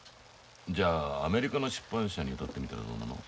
じゃあアメリカの出版社に当たってみたらどうなの？